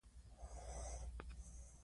لوستې نجونې د خپل ژوند په اړه ښه تصمیم نیسي.